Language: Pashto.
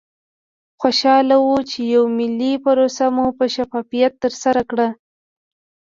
خوشحاله وو چې یوه ملي پروسه مو په شفافیت ترسره کړه.